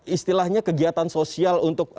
istilahnya kegiatan sosial